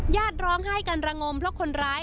ญาติร้องไห้กันระงมเพราะคนร้าย